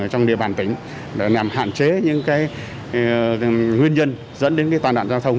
trong địa bàn tỉnh để làm hạn chế những nguyên nhân dẫn đến toàn nạn giao thông